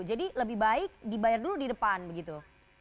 jadi lebih baik dibayar dulu di depan begitu